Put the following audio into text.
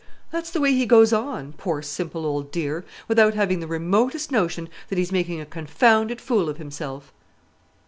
That's the way he goes on, poor simple old dear; without having the remotest notion that he's making a confounded fool of himself."